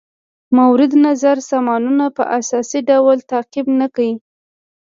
مورد نظر سامانونه په اساسي ډول تعقیم نه کړي.